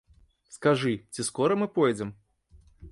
Скажы, ці скора мы пойдзем?